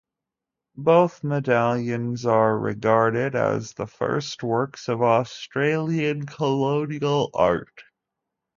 Both medallions are regarded as the first works of Australian colonial art.